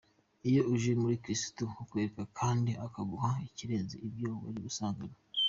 Iyo uje muri kristo akwereka kandi akaguha ikirenze ibyo wari usanganywe.